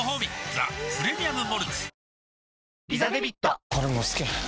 「ザ・プレミアム・モルツ」